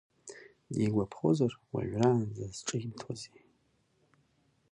Дигәаԥхозар, уажәраанӡа зҿимҭуазеи?